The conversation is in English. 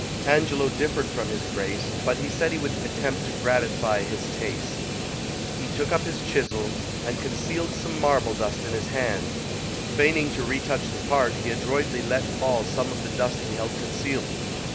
Angelo differed from his Grace, but he said he would attempt to gratify his taste. He took up his chisel, and concealed some marble dust in his hand; feigning to re touch the part, he adroitly let fall some of the dust he held concealed.